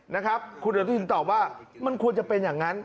นะครับคุณอนุทินตอบว่ามันควรจะเป็นอย่างนั้น